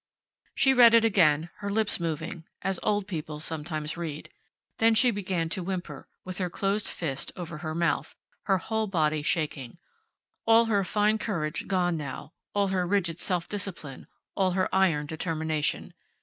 She read it again, her lips moving, as old people sometimes read. Then she began to whimper, with her closed fist over her mouth, her whole body shaking. All her fine courage gone now; all her rigid self discipline; all her iron determination.